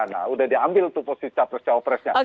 nah udah diambil tuh posisi capres cawal presnya